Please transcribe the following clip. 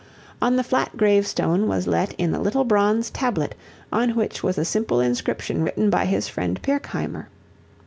On the flat gravestone was let in a little bronze tablet on which was a simple inscription written by his friend Pirkheimer.